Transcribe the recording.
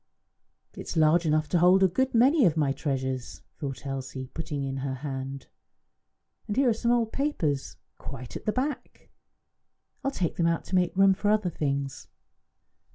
"It is large enough to hold a good many of my treasures," thought Elsie, putting in her hand. "And here are some old papers, quite at the back! I will take them out to make room for other things."